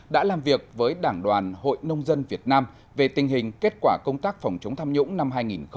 đã làm việc với đảng đoàn hội nông dân việt nam về tình hình kết quả công tác phòng chống tham nhũng năm hai nghìn một mươi chín